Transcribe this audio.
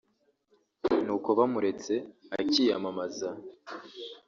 nuko bamuretse akiyamamaza